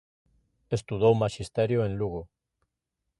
Estudou Maxisterio en Lugo.